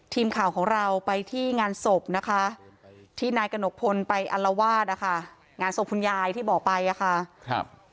ทีมข่าวของเราไปที่งานศพนะคะที่นายกระหนกพลไปอัลวาดนะคะงานศพคุณยายที่บอกไปอะค่ะครับ